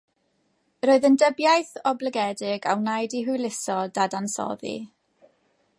Roedd yn dybiaeth oblygedig a wnaed i hwyluso dadansoddi.